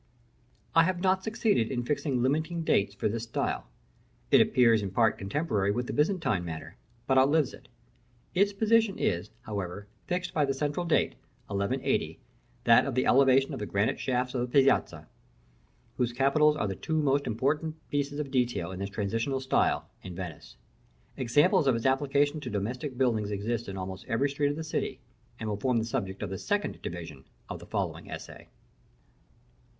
I have not succeeded in fixing limiting dates for this style. It appears in part contemporary with the Byzantine manner, but outlives it. Its position is, however, fixed by the central date, 1180, that of the elevation of the granite shafts of the Piazetta, whose capitals are the two most important pieces of detail in this transitional style in Venice. Examples of its application to domestic buildings exist in almost every street of the city, and will form the subject of the second division of the following essay.